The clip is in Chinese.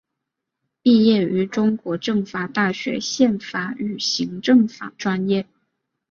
毕业于中国政法大学宪法与行政法专业。